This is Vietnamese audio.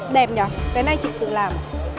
đẹp nhờ cái này chị tự làm